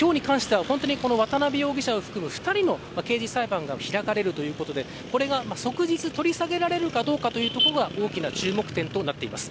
渡辺容疑者を含む２人の刑事裁判が開かれるということでこれが、即日取り下げられるかどうかが大きな注目点となっています。